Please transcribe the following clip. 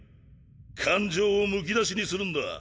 感情をむき出しにするんだ。